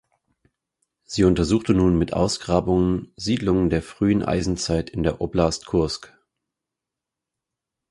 Sie untersuchte nun mit Ausgrabungen Siedlungen der frühen Eisenzeit in der Oblast Kursk.